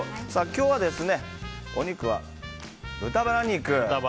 今日はお肉は豚バラ肉。